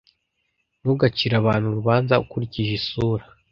Ntugacire abantu urubanza ukurikije isura.